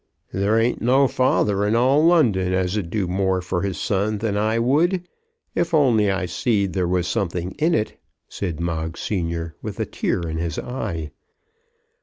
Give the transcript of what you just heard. "There ain't no father in all London as 'd do more for his son than I would, if only I see'd there was something in it," said Moggs senior, with a tear in his eye.